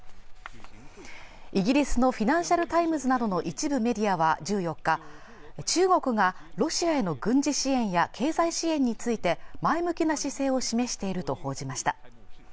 イギリスの「フィナンシャル・タイムズ」などの一部メディアは１４日中国がロシアへの軍事支援や経済支援について前向きな姿勢を示していると報じました